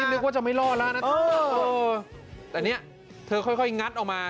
แต่นิ่งค่อยงี้ค่อยงั้นออกมาทีละซี่ทีละซี่แบบ